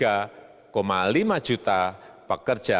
dan sebanyak delapan puluh tujuh persen dari total penduduk bekerja